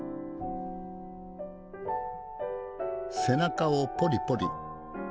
背中をポリポリ。